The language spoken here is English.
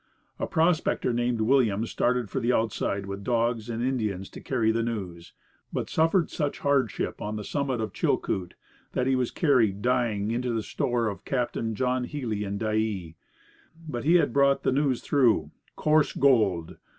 A prospector named Williams started for the outside with dogs and Indians to carry the news, but suffered such hardship on the summit of Chilcoot that he was carried dying into the store of Captain John Healy at Dyea. But he had brought the news through coarse gold!